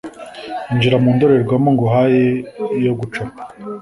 Injira mu ndorerwamo nguhaye yo gucapa